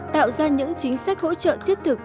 tạo ra những chính sách hỗ trợ thiết thực